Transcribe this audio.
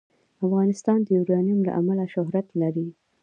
افغانستان د یورانیم له امله شهرت لري.